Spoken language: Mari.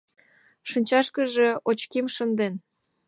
Шинчашкыже очким шынден.